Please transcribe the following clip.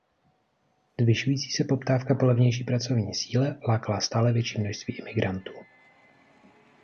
Zvyšující se poptávka po levnější pracovní síle lákala stále větší množství imigrantů.